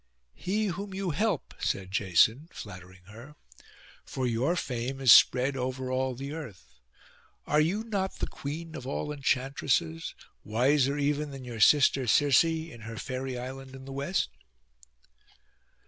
'He whom you help,' said Jason, flattering her, 'for your fame is spread over all the earth. Are you not the queen of all enchantresses, wiser even than your sister Circe, in her fairy island in the West?